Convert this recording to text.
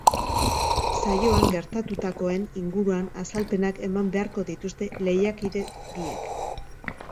Saioan gertatutakoen inguruan azalpenak eman beharko dituzte lehiakide biek.